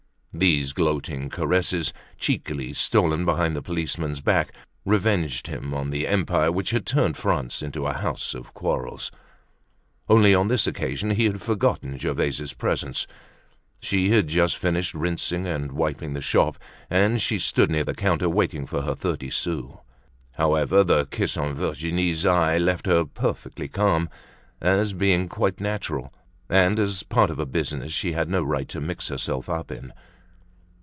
These gloating caresses, cheekily stolen behind the policeman's back, revenged him on the Empire which had turned France into a house of quarrels. Only on this occasion he had forgotten Gervaise's presence. She had just finished rinsing and wiping the shop, and she stood near the counter waiting for her thirty sous. However, the kiss on Virginie's eye left her perfectly calm, as being quite natural, and as part of a business she had no right to mix herself up in.